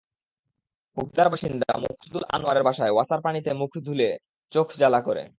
মুগদার বাসিন্দা মকসুদুল আনোয়ারের বাসায় ওয়াসার পানিতে মুখ ধুলে চোখ জ্বালা করে।